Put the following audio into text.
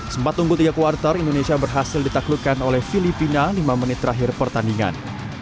sempat tunggu tiga kuartal indonesia berhasil ditaklukkan oleh filipina lima menit terakhir pertandingan